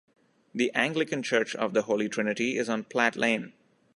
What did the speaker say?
The Anglican Church of the Holy Trinity is on Platt Lane.